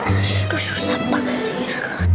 aduh susah banget sih